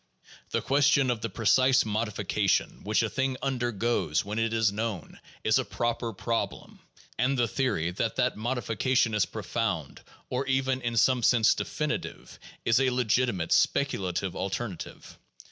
The question of the precise modification which a thing undergoes when it is known, is a proper problem ; and the theory that that modification is profound, or even in some sense definitive, is a legitimate speculative alternative.